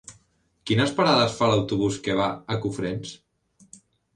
Quines parades fa l'autobús que va a Cofrents?